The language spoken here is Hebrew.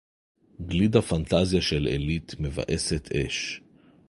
גלידה פנטזיה של עלית מבאסת אש